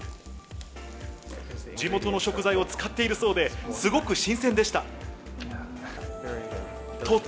地元の食材を使っているそうで、すごく新鮮でした。